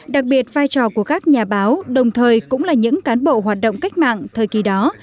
đặc biệt vai trò của các nhà báo đồng thời cũng là những cán bộ hoạt động cách mạng thời kỳ đó